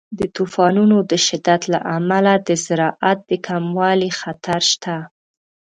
د طوفانونو د شدت له امله د زراعت د کموالي خطر شته.